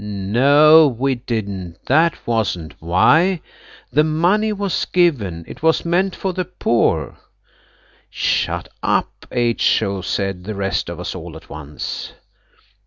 "No, we didn't!" "That wasn't why!" "The money was given!" "It was meant for the poor!" "Shut up, H.O.!" said the rest of us all at once.